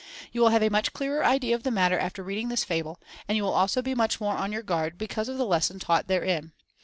You will have a much clearer idea of the matter after reading this Fable — and you will also be much more on your guard because of the lesson taught therein.